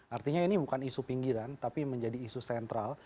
artinya ini bukan isu pinggiran tapi menjadi isu sentral